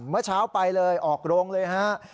เมื่อเช้าไปเลยออกโรงเลยฮะ